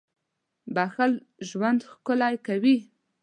• بښل ژوند ښکلی کوي.